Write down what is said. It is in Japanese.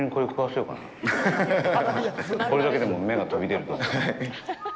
これだけでも目が飛び出ると思う。